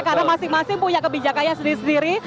karena masing masing punya kebijakannya sendiri sendiri